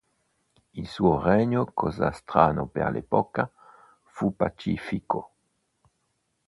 Il suo regno, cosa strana per l'epoca, fu pacifico.